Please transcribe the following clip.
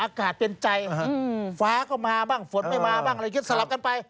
อากาศเป็นใจฟ้าก็มาบ้างฝนไม่มาบ้างอะไรอย่างนี้สลับกันไป